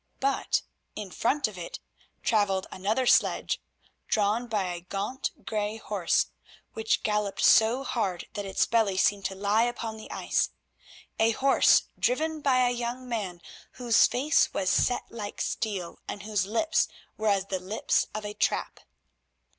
But in front of it travelled another sledge, drawn by a gaunt grey horse, which galloped so hard that its belly seemed to lie upon the ice, a horse driven by a young man whose face was set like steel and whose lips were as the lips of a trap.